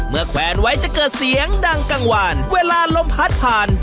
แขวนไว้จะเกิดเสียงดังกลางวานเวลาลมพัดผ่าน